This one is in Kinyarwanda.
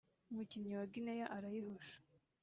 umukinnyi wa Guinea arayihusha